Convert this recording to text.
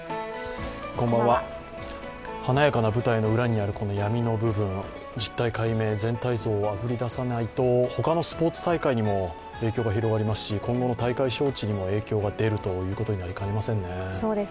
華やかな舞台の裏にあるこの闇の部分、実態解明、全体像をあぶり出さないと他のスポーツ大会にも影響が広がりますし今後の大会招致にも影響が出るとなりかねませんね。